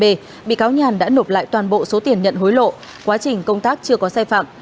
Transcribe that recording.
tại tòa bị cáo nhàn đã nộp lại toàn bộ số tiền nhận hối lộ quá trình công tác chưa có sai phạm